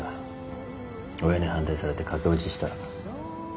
親に反対されて駆け落ちした。